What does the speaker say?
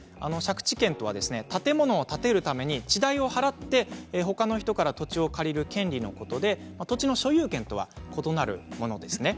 借地権とは建物を建てるために地代を払ってほかの人から土地を借りる権利のことで土地の所有権とは異なるものです。